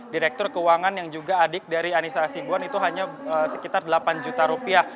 direktur keuangan yang juga adik dari anissa asibuan itu hanya sekitar delapan juta rupiah